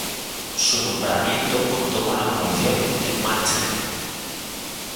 Su nombramiento contó con la aprobación de Maček.